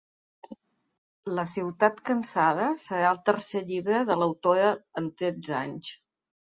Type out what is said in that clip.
La ciutat cansada serà el tercer llibre de l’autora en tretze anys.